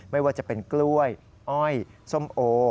ไม่ว่าจะเป็นกล้วยอ้อยส้มโอ